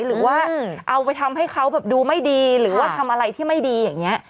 หรือว่าเอาไปทำให้เขาแบบดูไม่ดีหรือว่าทำอะไรที่ไม่ดีอย่างนี้